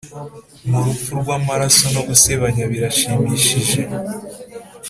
mu rupfu rwamaraso no gusebanya birashimishije,